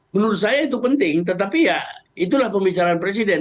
menurut saya itu penting tetapi ya itulah pembicaraan presiden